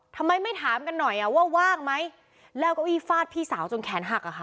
ทำไมไม่ถามกันหน่อยอ่ะว่าว่างไหมแล้วเก้าอี้ฟาดพี่สาวจนแขนหักอ่ะค่ะ